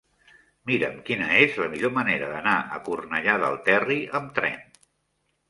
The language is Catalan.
Mira'm quina és la millor manera d'anar a Cornellà del Terri amb tren.